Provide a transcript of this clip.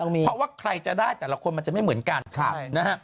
เพราะว่าใครจะได้แต่ละคนมันจะไม่เหมือนกันนะฮะ